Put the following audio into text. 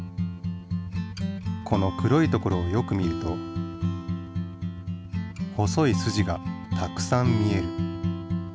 この黒い所をよく見ると細いすじがたくさん見える。